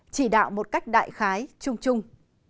chỉ đạo một cách đại khái chung chung